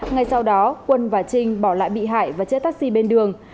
ngay sau đó quân và trinh bỏ lại bị hại và chết taxi bên đường